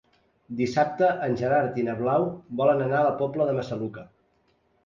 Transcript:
Dissabte en Gerard i na Blau volen anar a la Pobla de Massaluca.